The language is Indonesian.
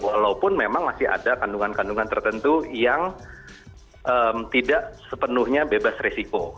walaupun memang masih ada kandungan kandungan tertentu yang tidak sepenuhnya bebas risiko